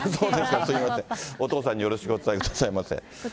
すみません、お父さんによろしくお伝えくださいませ。